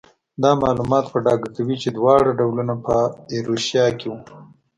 دا معلومات په ډاګه کوي چې دواړه ډولونه په ایروشیا کې وو.